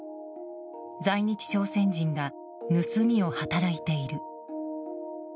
在日朝鮮人が盗みを働いている。